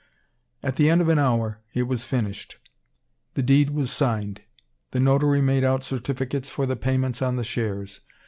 At the end of an hour, it was finished. The deed was signed. The notary made out certificates for the payments on the shares.